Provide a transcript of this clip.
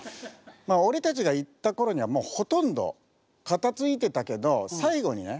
まあ俺たちが行った頃にはほとんど片づいてたけど最後にね